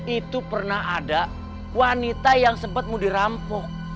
itu pernah ada wanita yang sempat mau dirampok